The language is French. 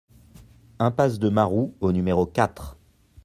Impasse de Maroux au numéro quatre